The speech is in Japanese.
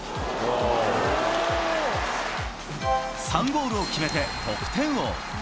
３ゴールを決めて得点王。